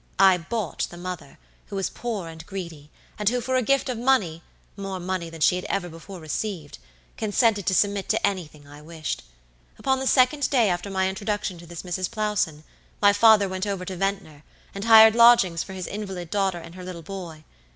I bought the mother, who was poor and greedy, and who for a gift of money, more money than she had ever before received, consented to submit to anything I wished. Upon the second day after my introduction to this Mrs. Plowson, my father went over to Ventnor, and hired lodgings for his invalid daughter and her little boy.